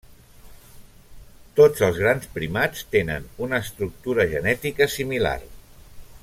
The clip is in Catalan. Tots els grans primats tenen una estructura genètica similar.